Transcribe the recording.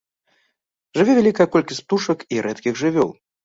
Жыве вялікая колькасць птушак і рэдкіх жывёл.